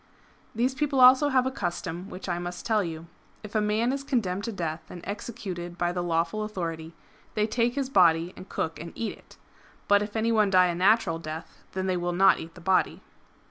] These people also have a custom which I must tell you. If a man is condemned to death and executed by the lawful authority, they take his body and cook and eat it. But if any one die a natural death then they will not eat the body.''